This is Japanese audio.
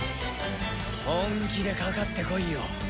本気でかかってこいよ